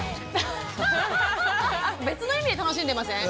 別の意味で楽しんでません？